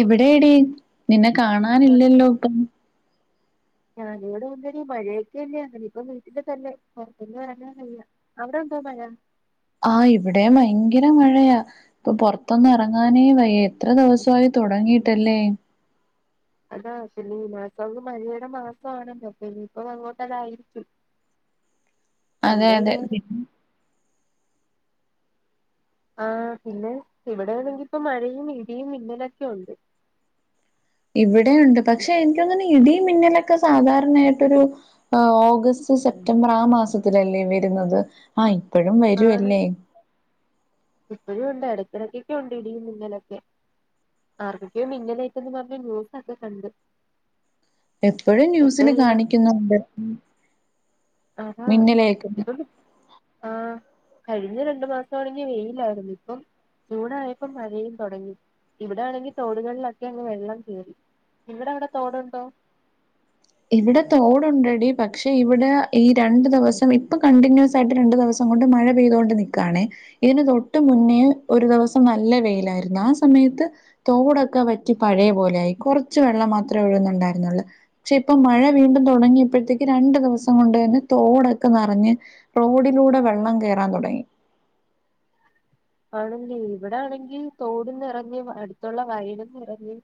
എവിടേ ടീ നിന്നെ കാണാനില്ലല്ലോ ഇപ്പം ഞാനിവിടെ വന്നേരി മഴയൊക്കെ അല്ലെ അന്നേ ഇപ്പോ വീട്ടിൽ തന്നെ പുറത്തേക്കൊന്നും ഇറങ്ങറില്ല അവിടെയുണ്ടോ മഴ ആഹ് ഇവിടെ ഭയങ്കര മഴയാ. ഇപ്പൊ പൊറത്തൊന്നു എറങ്ങാനേ വയ്യ. എത്ര ദിവസവായി തൊടങ്ങീട്ടല്ലേ? അതാ, പിന്നെ ഈ മാസം ത് മഴയുടെ മാസാണല്ലോ? അപ്പൊ ഇനിയിപ്പഴങ്ങോട്ടതായിരിക്കും. അതെ അതെ പിന്നെ ആഹ് പിന്നെ ഇവിടെയാണെങ്കി ഇപ്പം മഴയും ഇടിയും മിന്നലൊക്കെ ഇണ്ട്. ഇവിടെയുണ്ട്. പക്ഷെ എനിക്കോന്നണെ ഇടിയും മിന്നലൊക്കെ സാധാരണയായിട്ടൊരു ഓഗസ്റ്റ് സെപ്റ്റംബർ ആ മാസത്തിലല്ലേ വരുന്നത്. ആയി എപ്പഴും വരുവല്ലേ? എപ്പഴും ഉണ്ട്. എടക്കിടക്കൊക്കെ ഉണ്ട് ഇടിയും മിന്നലൊക്കെ. ആർക്കൊക്കെയോ മിന്നലേറ്റെന്ന് പറഞ്ഞ് ന്യൂസൊക്കെ കണ്ട്. എപ്പോഴും ന്യൂസില് കാണിക്കുന്നുണ്ട്. ഉം ആ ഇതും ആഹ് കഴിഞ്ഞ രണ്ടു മാസാണെങ്കി വെയിലായിരുന്നു. ഇപ്പം ജൂണായപ്പം മഴയും തൊടങ്ങി. ഇവിടെ ആണെങ്കി തോടുകളിലൊക്കെ അങ്ങ് വെള്ളം കേറി. നിങ്ങടെ അവിടെ തോടുണ്ടോ? ഇവിടെ തോടുണ്ടെടി. പക്ഷെ ഇവിടെ ഈ രണ്ടു ദിവസം ഇപ്പൊ കണ്ടിന്യൂസ് ആയിട്ട് രണ്ടു ദിവസം കൊണ്ട് മഴ പെയ്തോണ്ട് നിക്കാണേ. ഇതിന് തൊട്ടു മുന്നേ ഒരു ദിവസം നല്ല വെയിലായിരുന്നു. ആ സമയത്ത് തോടൊക്കെ വറ്റി പഴയ പോലെ ആയി. കൊറച്ച് വെള്ളം മാത്രവേ ഒഴുകുന്നുണ്ടായിരുന്നുള്ളൂ. പക്ഷെ ഇപ്പ മഴ വീണ്ടും തൊടങ്ങിയപ്പഴത്തേക്ക് രണ്ടു ദിവസം കൊണ്ട് തന്നെ തോടൊക്കെ നെറഞ്ഞ് റോഡിലൂടെ വെള്ളം കയറാൻ തൊടങ്ങി. ആണല്ലേ? ഇവിടെ ആണെങ്കി തോടും നെറഞ്ഞ് അടുത്തുള്ള വയലും നിറഞ്ഞ്.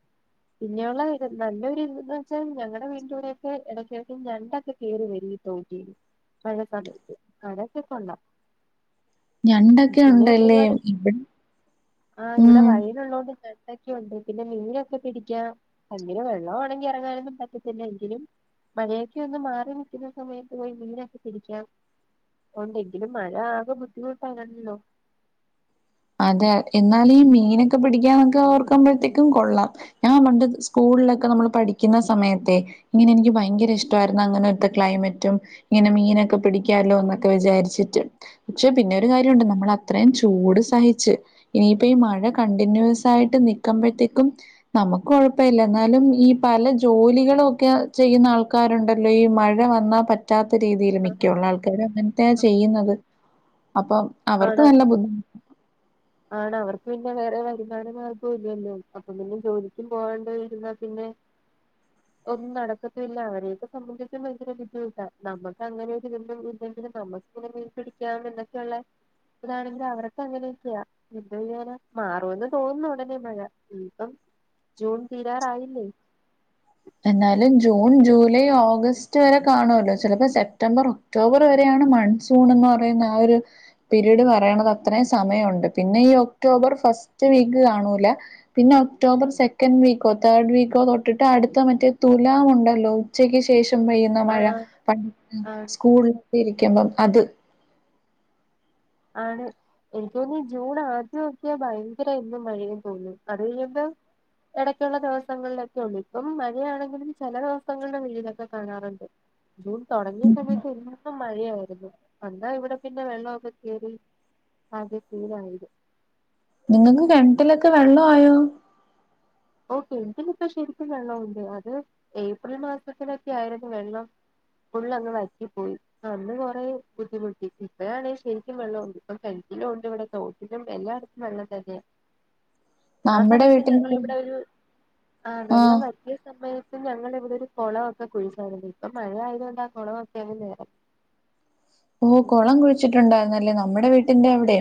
പിന്നെയുള്ള നല്ലൊരു ഇതന്ന് വെച്ചാൽ ഞങ്ങടെ വീടിന്റാടയൊക്കെ എടക്കിടക്ക് ഞണ്ടൊക്കെ കേറി വരു ഈ തോട്ടീന്ന്, മഴ സമയത്ത്. അതൊക്കെ കൊള്ളാം. ഞണ്ടൊക്കെ പിന്നെ ഉണ്ട് ഒരുപാട്, ആ ഇവിടെ ഉം. വയലുള്ളോണ്ട് ഞണ്ട് ക്കെയുണ്ട്. പിന്നെ മീനൊക്കെ പിടിക്കാം. അങ്ങനെ വെള്ളവാണെങ്കി എറങ്ങാനൊന്നും പറ്റത്തില്ല എങ്കിലും, മഴയൊക്കെ ഒന്ന് മാറി നിൽക്കുന്ന സമയത്ത് പോയി മീനൊക്കെ പിടിക്കാം. ഉണ്ടെങ്കിലും മഴ ആകെ ബുദ്ധിമുട്ടാണല്ലോ അതെ. എന്നാലു ഈ മീനൊക്കെ പിടിക്കാന്നൊക്കെ ഓർക്കുമ്പോഴത്തേക്കും കൊള്ളാം. ഞാൻ പണ്ട് സ്കൂളിലൊക്കെ നമ്മള് പഠിക്കുന്ന സമയത്തെ ഇങ്ങനെ എനിക്ക് ഭയങ്കര ഇഷ്ടവായിരുന്നു അങ്ങനെത്തെ ക്ലൈമറ്റും ഇങ്ങനെ മീനൊക്കെ പിടിക്കാല്ലോ എന്നൊക്കെ വിചാരിച്ചിട്ട്. പക്ഷെ പിന്നെ ഒരു കാര്യമുണ്ട് നമ്മളത്രയും ചൂട് സഹിച്ച്. ഇനിയിപ്പ ഈ മഴ കണ്ടിന്യൂസ് ആയിട്ട് നിക്കുമ്പഴത്തേക്കും നമുക്ക് കൊഴപ്പില്ല. എന്നാലും, ഈ പല ജോലികളും ഒക്കെ ചെയ്യുന്ന ആള്ക്കാര്ണ്ടല്ലോ ഈ മഴ വന്നാ പറ്റാ ത്തെ രീതീല് ആ മിക്കുള്ള ആൾക്കാരു അങ്ങനത്തെയാ ചെയ്യ്ന്നത്. അപ്പൊ അവർക്ക് നല്ല ബുദ്ധിമുട്ട ആണവർക്ക് പിന്നെ വേറെ വരുമാന മാർഗവും ഇല്ലല്ലോ. അപ്പൊ പിന്നെ ജോലിക്കും പോകാണ്ടിരുന്നാ പിന്നെ ഒന്നും നടക്കത്തില്ല. അവരെയൊക്കെ സംബന്ധിച്ച് ഭയങ്കര ബുദ്ധിമുട്ടാ. നമ്മക്ക് അങ്ങനൊരു വിമ്പും ഇല്ലെങ്കിലും നമ്മക്ക് ഇങ്ങനെ മീൻ പിടിക്കാം എന്നൊക്കെയുള്ള ഇതാണെങ്കില് അവർക്ക് അങ്ങനെയൊക്കെയാ. എന്തോ ചെയ്യാനാ? മാറൂന്ന് തോന്നുന്നു ഉടനെ മഴ. ഇനി ഇപ്പം ജൂൺ തീരാറായില്ലേ? എന്നാലും ജൂൺ ജൂലൈ ഓഗസ്റ്റ് വരെ കാണുവല്ലോ? ചെലപ്പോ സെപ്റ്റംബർ ഒക്ടോബർ വരെയാണ് മൺസൂൺ എന്ന് പറയുന്ന ആ ഒരു പീരീഡ് പറയണത് അത്രയും സമയമുണ്ട്. പിന്നെ ഈ ഒക്ടോബർ ഫസ്റ്റ് വീക്ക് കാണൂല. പിന്നെ ഒക്ടോബർ സെക്കൻഡ് വീക്കോ തേർഡ് വീക്കോ തൊട്ടിട്ട് അട് മറ്റെ മറ്റേ തുലാമുണ്ടല്ലോ ഉച്ചയ്ക്ക് ശേഷം ട്ടും പെയ്യ്ന്ന ആ മഴ. പൺ ആണ് സ്കൂളി ഇരിക്ക്മ്പം അത് ആണ്. എനിക്ക് തോന്ന് ജൂൺ ആദ്യൊക്കെ ഭയങ്കര ഇടിയും മഴയും തോന്നു. അത് കഴിയുമ്പോ എടക്കുള്ള ദിവസങ്ങളിലൊക്കെ ഉള്ളു. ഇപ്പം മഴയാണെങ്കിലും ചെല ദിവസങ്ങല് വെയിലൊക്കെ കാണാറ്ണ്ട്. ജൂൺ തൊടങ്ങിയ സമയത്ത് എന്നാ മഴയായിരുന്നു. എന്നാ ഇവിടെ പിന്നെ വെള്ളൊക്കെ കേറി ആകെ ക്ലീനായത്. നിങ്ങക്ക് കെണറ്റിലൊക്കെ വെള്ളവായോ? ഓ കെണറ്റിലിപ്പൊ ശരിക്കും വെള്ളവുണ്ട്. അത് ഏപ്രിൽ മാസത്തിലൊക്കെ ആയിരുന്നു വെള്ളം ഫുള്ളങ്ങ് വറ്റിപ്പോയി. അന്ന് കൊറേ ബുദ്ധിമുട്ടി. ഇപ്പഴാണേൽ ശരിക്കും വെള്ളം ഉണ്ട്. ഇപ്പൊ കെണറ്റിലും ഉണ്ടിവിടെ തോട്ടിലും എല്ലായിടത്തും വെള്ളം തന്നെയാ. ആ നമ്മുടെ സമയത്ത് വീട്ടിന് മുന്നി ഞങ്ങളിവിടെ ഒരു ആ വെള്ളം വറ്റിയ സമയത്ത് ത്ത് ഞങ്ങളെ ഇവിടെ ഒരു കൊളൊക്കെ കുഴിച്ചാര്ന്നു. ഇപ്പം മഴ ആയത് കൊണ്ട് ആ കൊളവൊക്കെയങ്ങ് നെറഞ്ഞ്. ഓ കുളം കുഴിച്ചിട്ടുണ്ടായിരുന്നല്ലേ? നമ്മുടെ വീട്ടിന്റെ അവിടെ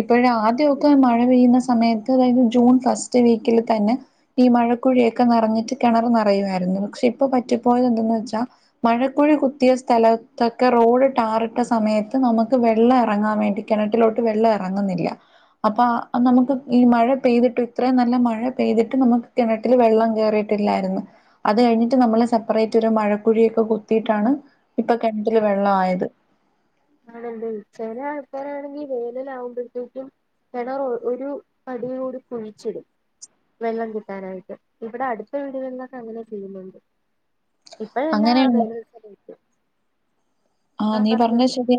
ഇപ്പോഴ ആദ്യൊക്കെ മഴ പെയ്യുന്ന സമയത്ത് അതായത് ജൂൺ ഫസ്റ്റ് വീക്കില് തന്നെ ഈ മഴക്കുഴിയൊക്കെ നിറഞ്ഞിട്ട് കിണർ നിറയായിരുന്നു. പക്ഷെ ഇപ്പൊ പറ്റിപ്പോയത് എന്തെന്ന് വെച്ചാ മഴക്കുഴി കുത്തിയ സ്ഥലത്തൊക്കെ റോഡ് ടാറിട് ട്ട സമയത്ത് നമുക്ക് വെള്ളം എറങ്ങാൻ വേണ്ടി കെണറ്റിലോട്ട് വെള്ളം എറങ്ങുന്നില്ല. അപ്പൊ നമുക്ക് ഈ മഴ പെയ്തിട്ട് ഇത്രയും നല്ല മഴ പെയ്തിട്ട് നമുക്ക് കെണറ്റില് വെള്ളം കേറീട്ടില്ലായിരുന്നു. അത് കഴിഞ്ഞിട്ട് നമ്മള് സെപ്പറേറ്റ് ഒരു മഴക്കുഴിയൊക്കെ കുത്തിട്ടാണ് ഇപ്പ കെണറ്റില് വെള്ളായത്. ആണല്ലേ? ചെല ആൾക്കാരാണെങ്കി വേനലാവുമ്പഴത്തേക്കും കെണർ ഒരു പടി കൂടി കുഴിച്ചിടും വെള്ളം കിട്ടാനായിട്ട്. ഇവിടെ അട്ത്ത വീട്കളിലൊക്കെ അങ്ങനെ ചെയ്യുന്നുണ്ട്. ഇപ്പഴെല്ലാ അങ്ങനെ വേനൽ സമയത്ത് ആഹ് നീ പറഞ്ഞത് ശരിയ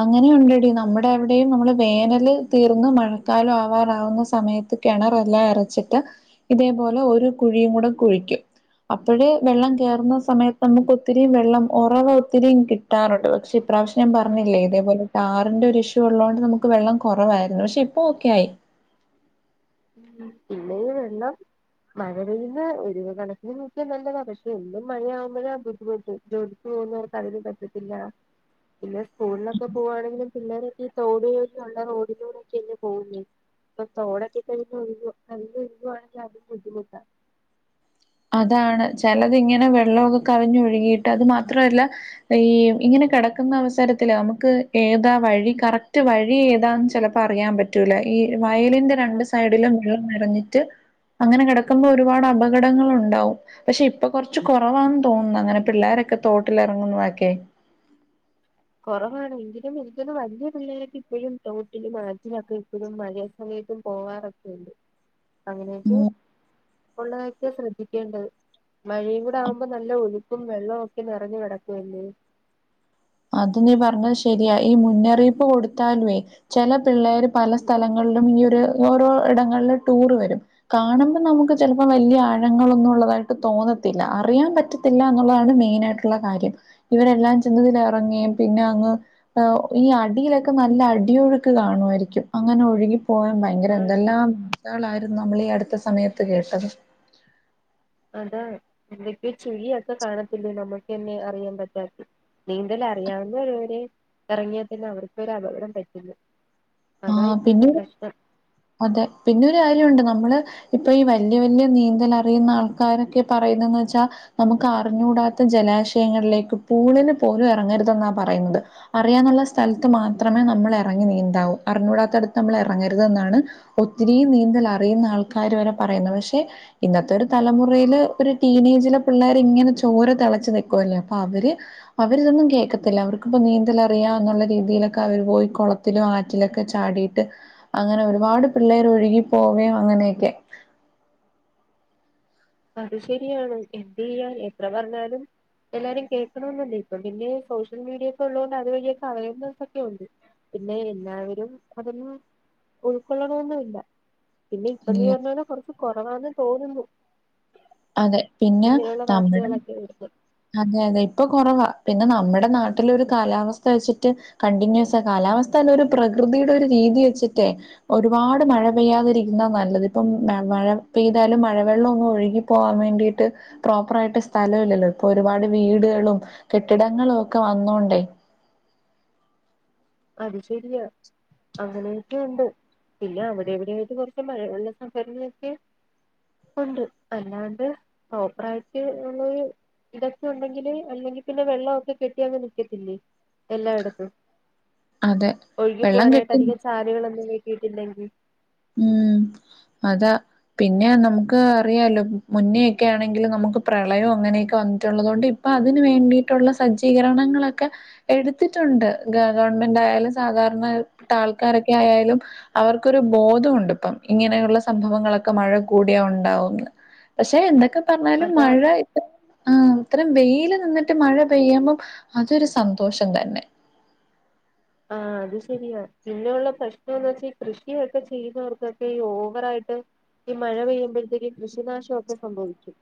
അങ്ങനെയുണ്ടെടി നമ്മുടെ എവിടെയും നമ്മള് വേനല് തീർന്ന് മഴക്കാലം ആവാറാവുന്ന സമയത്ത് കിണറല്ലാം ഇരച്ചിട്ട് ഇതേപോലെ ഒരു കുഴിയും കൂടെ കുഴിക്കും അപ്പഴേ വെള്ളം കയറുന്ന സമയത്ത് നമുക്ക് ഒത്തിരിയും വെള്ളം ഉറവ് ഒത്തിരിയും കിട്ടും ട്ടാറുണ്ട് പക്ഷേ ഇ ഇപ്രാവശ്യം ഞാൻ പറഞ്ഞില്ലേതേപോലെ ടാറിന്റെ ഒരു ഇഷ്യൂ ഉള്ളതോണ്ട് നമുക്ക് വെള്ളം കുറവായിരുന്നു പക്ഷെ ഇപ്പ ഒക്കെ ആയി പിന്നെ ഈ വെള്ളം മഴ പെയ്യുന്നത് ഒരു കണക്കിന് നോക്കിയാൽ നല്ലതാ പക്ഷേ എന്നും മഴയാകുമ്പഴാ ബുദ്ധിമുട്ട് ജോലിക്ക് പോകുന്നവർക്കതിന് പറ്റത്തില്ല പിന്നെ സ്കൂളിലൊക്കെ പോവാണെങ്കിലും പിള്ളേരൊക്കെ ഈ തോട് ഉള്ള റോഡിലൂടെ ഒക്കെങ്ങ് പോവുല്ലേ ഇപ്പൊ തോടെ യിട്ട് ഒഴുകുവ കവിഞ്ഞൊഴുകുവാണെങ്കിൽ അതും ബുദ്ധിമുട്ടാ അതാണ് ചിലത് ഇങ്ങനെ വെള്ളമൊക്കെ കവിഞ്ഞ് ഒഴുകിയിട്ട് അത് മാത്രല്ല ഈ ഇങ്ങനെ കിടക്കുന്ന അവസരത്തില് നമുക്ക് ഏതാ വഴി കറക്റ്റ് വഴി ഏതാന്ന് ചെലപ്പോ അറിയാൻ പറ്റൂല ഈ വയലിന്റെ രണ്ട് അത് സൈഡിലും വെള്ളം നിറഞ്ഞിട്ട് അങ്ങനെ കിടക്കുമ്പോ ഒരുപാട് അപകടങ്ങളു ണ്ടാവും പക്ഷെ ഇപ്പൊ കൊറച്ച് കുറവാന്ന് തോന്നുന്ന് അങ്ങനെ പിള്ളോരൊക്കെ തോട്ടിലിറങ്ങുന്നു വൊക്കെ കുറവാണ് എങ്കിലും എനിക്കൊന്നു വല്യ പിള്ളേരൊക്കെ ഇപ്പഴും തോട്ടിലും ആറ്റിലൊക്കെ ഇപ്പോഴും മഴയ സമയത്തും പോവാറൊക്കെയുണ്ട് അങ്ങനെയൊക്കെ ഉം ഉള്ളതൊക്കെയാ ശ്രദ്ധിക്കേണ്ടത് മഴയും കൂടെ ആവുമ്പോ നല്ല ഒഴുക്കും വെള്ളവും ഒക്കെ നിറഞ്ഞു കിടക്കുവല്ലേ അത് നീ പറഞ്ഞത് ശരിയാ ഈ മുന്നറിയിപ്പ് കൊടുത്താലുവേ ചില പിള്ളേര് പല സ്ഥലങ്ങളിലും ഈ ഒരു ഓരോ ഇടങ്ങളും ടൂർ വരും കാണുമ്പോൾ നമുക്ക് ചിലപ്പോ വല്ല്യ ആഴങ്ങളൊന്നും ഉള്ളതായിട്ട് തോന്നത്തില്ല അറിയാൻ പറ്റത്തില്ല എന്നുള്ളതാണ് മെയിൻ ആയിട്ടുള്ള കാര്യം ഇവരെല്ലാം ചെന്നതില് റങ്ങിയും പിന്നെ അങ്ങ് ഈ അടിയിലൊക്കെ നല്ല അടിയൊഴുക്ക് കാണുവായിരിക്കും അങ്ങനെ ഒഴുകി പോയം ഭയങ്കര ആണ് എന്തെല്ലാം ന്നാളായിരുന്നു നമ്മളീ അടുത്ത സമയത്ത് കേട്ടത് അതാ എന്തൊക്കെയൊ ചുഴിയൊക്കെ കാണത്തില്ലെ നമുക്കെന്നെ അറിയാൻ പറ്റാത്ത നീന്തല് അറിയാവുന്നവര് വരേ ഇറങ്ങിയാൽ തന്നെ അവർക്കൊരു അപകടം പറ്റുന്നു ആ പിന്നൊരു അതെ പിന്നൊരു കാര്യമുണ്ട് നമ്മള് ഇപ്പൊ ഈ വല്ല്യ വല്ല്യ നീന്തല് അറിയുന്ന ആൾക്കാരൊക്കെ പറയുന്നന്ന് വെച്ചാൽ നമുക്ക് അറിഞ്ഞൂടാത്ത ജലാശയങ്ങളിലേക്ക് പൂളില് പോലും ഇറങ്ങരുതെന്നാ പറയുന്നത് അറിയാന്നുള്ള സ്ഥലത്ത് മാത്രമേ നമ്മള് ഇറങ്ങി നീന്താവൂ അറിഞ്ഞൂടാത്തട്ത്ത് നമ്മൾ ഇറങ്ങരുതന്നാണ് ഒത്തിരി നീന്തൽ അറിയുന്ന ആൾക്കാര് വരെ പറയുന്നത് പക്ഷേ ഇന്നത്തെ ഒരു തലമുറയില് ഒരു ടീനേജിലെ പിള്ളേര് ഇങ്ങനെ ചോര തിളച്ചു നിൽക്കുവല്ലേ അപ്പൊ അവര് അവരിതൊന്നും കേൾക്കത്തില്ല അവർക്കിപ്പോ നീന്തലറിയാം ന്നുള്ള രീതിയിലൊക്കെ അവര് പോയി കുളത്തിലും ആറ്റി റ്റിലൊക്കെ ചാടിയിട്ട് അങ്ങനെ ഒരുപാട് പിള്ളേര് ഒഴുകി പോവയും അങ്ങനെയൊക്കെ അത് ശരിയാണ് എന്ത് ചെയ്യാ എത്ര പറഞ്ഞാലും എല്ലാരും കേൾക്കണംന്നില്ല ഇപ്പൊ പിന്നെ സോഷ്യൽ മീഡിയ ഒക്കെ ഉള്ളത്കൊണ്ട് അതുവഴിയൊക്കെ അവെർനെസ്സ് ഒക്കെ ഉണ്ട് പിന്നെ എല്ലാവരും അതൊന്നും ഉൾക്കൊള്ളണമൊന്നുല്ല പിന്നെ ഇപ്പ നീ ഇല്ല പറഞ്ഞോലെ കുറച്ച് കുറവാന്ന് തോന്നുന്നു അതെ പിന്നെ ഇങ്ങനെയുള്ള നമ്മടെ വാർത്തകളൊക്കെ വരുന്നത് അതെ അതെ ഇപ്പൊ കൊറവാ പിന്നെ നമ്മുടെ നാട്ടിലൊരു കാലാവസ്ഥ വെച്ചിട്ട് കണ്ടിന്യൂസാ കാലാവസ്ഥ ന്നാ അല്ല ഒരു പ്രകൃതിയുടെ ഒരു രീതി വെച്ചിട്ടേ ഒരുപാട് മഴ പെയ്യാതിരിക്കുന്നാ നല്ലത് ഇപ്പം മഴ പെയ്താലും മഴവെള്ളം ഒന്നും ഒഴുകി പോകാൻ വേണ്ടിട്ട് പ്രോപ്പർ ആയിട്ട് സ്ഥലം ഇല്ലല്ലോ ഇപ്പൊ ഒരുപാട് വീടുകളും കെട്ടിടങ്ങളും ഒക്കെ വന്നോണ്ടേ അത് ശരിയാ അങ്ങനെയൊക്കെ ഉണ്ട്‌ പിന്നെ അവിടെ എവിടെ ആയിട്ട് കുറച്ച് മഴ വെള്ള സംഭരണിയൊക്കെ ഉണ്ട് അല്ലാണ്ട് പ്രോപ്പർ ആയിട്ട് ഉള്ളൊരു ഇതൊക്കെ ഉണ്ടെങ്കില് അല്ലെങ്കിൽ പിന്നെ വെള്ളമൊക്കെ കെട്ടി അങ്ങ് നിക്കത്തില്ലേ എല്ലായിടത്തും അതെ ഒഴുകി വെള്ളം കെട്ടി പോകാനായിട്ട് അധികം ചാലുകളൊന്നും ഇ ഈട്ടില്ലെങ്കിൽ ഉം അതാ പിന്നെ നമുക്ക് അറിയാലോ മുന്നേയൊക്കെ ആണെങ്കിലും നമുക്ക് പ്രളയവും അങ്ങനെയൊക്കെ വന്നിട്ടുള്ളതു കൊണ്ട് ഇപ്പൊ അതിന് വേണ്ടിയിട്ടുള്ള സജ്ജീകരണങ്ങളൊക്കെ എടുത്തിട്ടുണ്ട് ഗവൺമെന്റ് ആയാലും സാധാരണ ട്ടാൾക്കാരൊക്കെ ആയാലും അവർക്കൊ ബോധമുണ്ട് ഇപ്പം ഇങ്ങനെയുള്ള സംഭവങ്ങളൊക്കെ മഴ കൂടിയാ ഉണ്ടാവുംന്ന് പക്ഷെ എന്തൊ പറഞ്ഞാലും അതാ മഴ ഇത്ര ആ അത്രം വെയില് നിന്നിട്ട് മഴ പെയ്യ്മ്പം അതൊരു സന്തോഷം തന്നെ ആ അത് ശരിയാ പിന്നെയുള്ള പ്രശ്നംന്ന് വെച്ചാ കൃഷിയൊക്കെ ചെയ്യുന്നവർക്കൊക്കെ ഈ ഓവറായിട്ട് ഈ മഴ പെയ്യുമ്പോഴത്തേക്ക് കൃഷിനാശം ഒക്കെ സംഭവിക്കും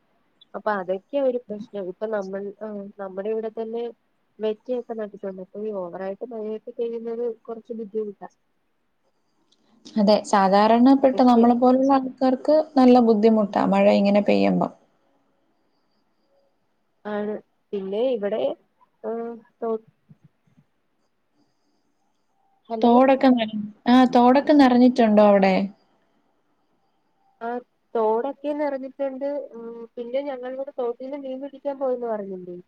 അപ്പൊ അതി ക്കെയാ ഒരു പ്രശ്നം ഇപ്പൊ നമ്മള് ആ നമ്മടെ ഇവിടെ തന്നെ മെച്ചയൊക്കെ നട്ടിട്ടുണ്ട് ഇപ്പൊ ഈ ഓവറായിട്ട് മഴ പെയ്യ്ത ഴിയുന്നത് കൊറച്ച് ബുദ്ധിമുട്ടാ അതെ സാ സാധാരണപ്പെട്ട കൃഷി നമ്മളെ പോലുള്ള ആൾക്കാർക്ക് നല്ല ബുദ്ധിമുട്ട ത മഴ ഇങ്ങനെ പെയ്യ്മ്പം ആണ് പിന്നെ ഇവിടെ [unintelligible] ഹലോ തോടൊക്കെങ്ങനേ ആ തോടൊക്കെ നേറഞ്ഞിട്ടുണ്ടോ അവിടെ ആ തോടൊക്കെ നിറഞ്ഞിട്ടുണ്ട് ഉം പിന്നെ ഞങ്ങള് ഇവിടെ തോട്ടില് മീൻ പിടിക്കാൻ പോയന്ന് പറഞ്ഞില്ലേ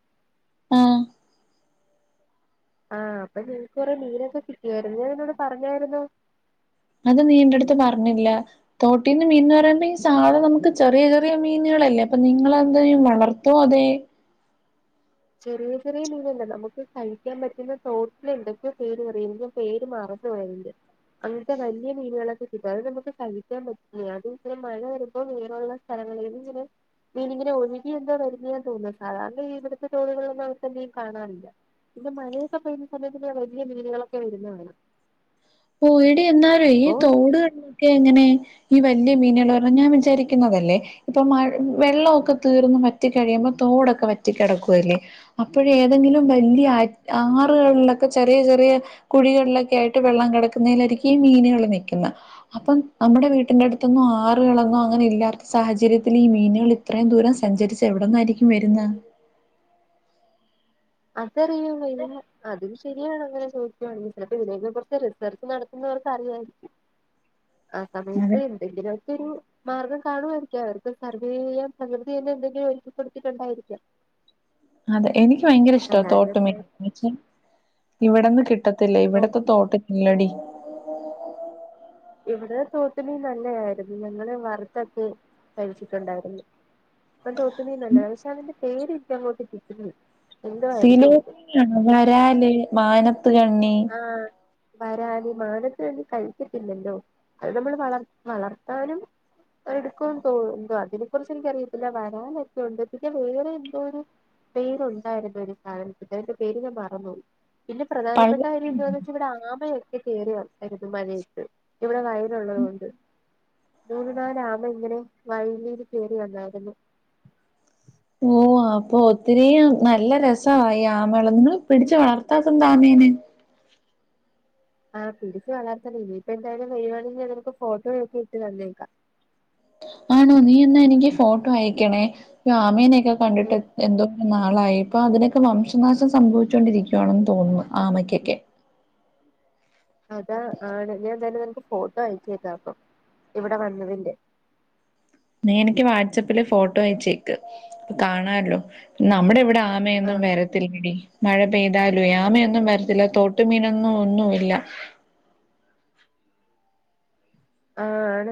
ആ ആ അപ്പൊ നിനക്ക് കുറെ മീനൊക്കെ കിട്ടിയായിരുന്നു ഞാൻ നിന്നോട് പറഞ്ഞായിരുന്നോ അത് നീ എന്റടുത്ത് പറഞ്ഞില്ല തോട്ടീന്ന് മീൻ പറയുമ്പം സാള് നമുക്ക് ചെറിയ ചെറിയ മീനുകളല്ലേ അപ്പൊ നിങ്ങളെന്തെയ്യും വളർത്തോ അതെ ചെറിയ ചെറിയ മീനല്ല നമുക്ക് കഴിക്കാൻ പറ്റുന്ന തോട്ടിലുന്തൊക്കെ പേര് പറയും പേര് മറന്ന് പോയി അയ്ന്റെ അങ്ങനത്തെ വലിയ മീനുകളൊക്കെ കിട്ടും അത് നമുക്ക് കഴിക്കാൻ പറ്റുന്ന അത് ഇങ്ങനെ മഴ വരുമ്പോൾ മീനുള്ള സ്ഥലങ്ങളും ഇങ്ങനെ മീൻ ഇങ്ങനെ ഒഴുകിയ എന്തോ വരുന്ന ഞാൻ തോന്നാം സാധാരണ ഇവി ഇപ്പം തോടികൾളൊന്നുംഅങ്ങനത്തെ മീൻ കാണാറില്ല പിന്നെ മഴയൊക്കെ പെയ്യുന്ന സമയത്ത് വലിയ മീന്കളൊക്കെ വരുന്നത് കാണാം പോയിടി എന്നാലും ഈ അപ്പൊ തോടുകളിലൊക്കെ എങ്ങനെ ഈ വലിയ മീനുകള് പറഞാലെ ഞാൻ വിചാരിക്കുന്നതല്ലേ ഇപ്പൊ മഴ വെള്ളമൊക്കെ തീർന്ന് വറ്റി കഴിയുമ്പോൾ തോടൊക്കെ വറ്റി കിടക്കുവല്ലേ അപ്പോയേ ഏതെങ്കിലും വലിയ ആറുകളിലൊക്കെ ചെറിയ ചെറിയ കുഴികളിലൊക്കെ ആയിട്ട് വെള്ളം കിട [unintelligible] ഈ മീനുകൾ നൽക്കുന്ന അപ്പം നമ്മുടെ വീട്ടിന്റെ അടുത്തന്നോ ആറുകളന്നോ അങ്ങനെ ഇല്ലാത്ത സാഹചര്യത്തിൽ ഈ മീനുകൾ ഇത്രയും ദൂരം സഞ്ചരിച്ച എവിടന്നായിരിക്കും വരുന്ന ആ അറിയുള്ളൂ ഇതുങ്ങളെ അതും ഷ [unintelligible] കുറച്ച് റിസർച്ച് നടത്തുന്നവർക്ക് അറിയായിരിക്കും ആ സമയത്ത് അതെ എന്തെങ്കിലോക്കൊരു മാർഗം കാണുയിരിക്കാം അവർക്ക് സർവൈവ് പ്രകൃതി തന്നെ എന്തെങ്കിലും ഒരുക്കിക്കൊടുത്തിട്ടുണ്ടായിരിക്കാം അതെ എനിക്ക ഭയങ്കര ഇഷ്ട്ടാ തോട്ട് മീൻ എന്ന് വെച്ചാ ഇവിടെന്ന് കിട്ട ല്ല ഇവിടത്തെ തോട്ട് ല്ലെടീ ഇവിടെ തോട്ടില് നല്ലയിരുന്നു ഞങ്ങള് വറുത്തൊക്കെ കഴിച്ചിട്ടുണ്ടായിരുന്നു തോട്ട് മീൻ നല്ലേ പക്ഷെ അതിന്റെ പേര് ഇൻക് അങ്ങോട്ട് കിട്ടുന്നി പിലോ ഹാ വാരാല് [unintelligible] ആ വരാല് മാനത്ത് വേണ്ടി കഴിച്ചിട്ടില്ലല്ലോ അത് നമ്മള് വളർ വളർത്താനും എടുകുന്ന് തോന്ന അതിനെ കുറിച്ച് എനികറിയത്തില്ല വരാലോക്കെണ്ട് പിന്നെ വേറെ എന്തോ ഒരു പേരുണ്ടായിരുന്നു ഒരു സാധനത്തിന്റെ അതിന്റെ പേര് ഞാൻ മറന്നു തില് പ്രധാനപ്പെട്ട പള്ളത്തി എന്തോ ന്ന് [unintelligible] [unintelligible] കീറിവെക്കരുത് മഴയത്ത് ഇവടെ അയലുള്ളത് കൊണ്ട് മൂന്ന് നാല് ആമ ഇങ്ങനെ വയിലിന്ന് കേറി വന്നായിരുന്നു ഓ അപ്പൊ ഒത്തിരിം നല്ല രസാ ഈ ആമള് നിങ്ങൾ പിടിച്ച് വളർത്താത്തെന്താ ആമേനെ ആ പിടിച്ച് വളർത്തണം ഇനിയിപ്പ എന്തായാലും വെരുവാണെങ്കി നിനക്ക് ഫോട്ടോയൊക്കെ ഇട്ട് തന്നേക്കാം ആണോ നീ എന്നാ എനിക്ക് ഫോട്ടോ അയക്കണേ യ്യോ ആമേനെക്കെ കണ്ടിട്ട് ഉം എന്തോരം നാളായി ഇപ്പൊ അതിനൊക്കെ വംശനാശം സംഭവിച്ചോണ്ടിരിക്കുവാണെന്ന് തോന്നുന്നു ആമയ്ക്കേക്കെ അതാ ആണ് ഞാൻ തന്നെ നിനക്ക് ഫോട്ടോ അയച്ചേക്കാം അപ്പം ഇവിടെ വന്നതിന്റെ നീ എനിക്ക് വാട്സപ്പില് ഫോട്ടോ അയച്ചേക്ക് കാണാല്ലോ നമ്മടെ ഇവിടെ ആ മയൊന്നും വരത്തില്ലടി മഴ പെയ്താലുംവെ ആമയൊന്നും വരത്തില്ല തോട്ടു മീനൊന്നും ഒന്നും ഇല്ല ആ